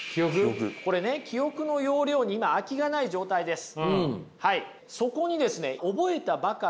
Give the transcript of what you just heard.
これね記憶の容量に今空きがない状態です。